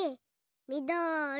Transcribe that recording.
みどり！